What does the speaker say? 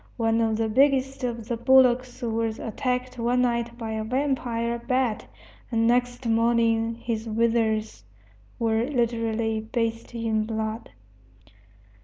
One of the biggest of the bullocks was attacked one night by a vampire bat, and next morning his withers were literally bathed in blood.